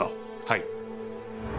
はい。